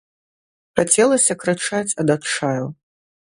Хацелася крычаць ад адчаю.